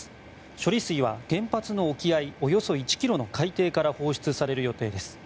処理水は原発の沖合およそ１ｋｍの海底から放出される予定です。